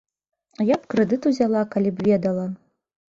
Я б крэдыт узяла, калі б ведала.